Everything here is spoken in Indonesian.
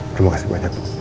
terima kasih banyak